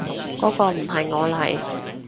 嗰個唔係我嚟